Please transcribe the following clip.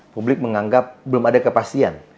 publik menganggap belum ada kepastian